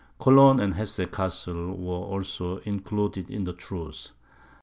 Cologne and Hesse Cassel were also included in the truce.